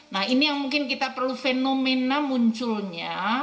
nah ini yang mungkin kita perlu fenomena munculnya